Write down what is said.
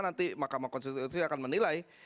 nanti mahkamah konstitusi akan menilai